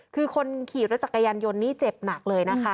คือคนขี่รถจักรยานยนต์นี่เจ็บหนักเลยนะคะ